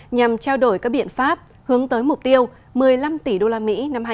nhằm trao đổi các biện pháp hướng tới mục tiêu một mươi năm tỷ usd năm hai nghìn hai mươi